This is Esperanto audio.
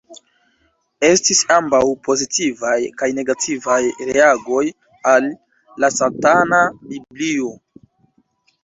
Estis ambaŭ pozitivaj kaj negativaj reagoj al "La Satana Biblio.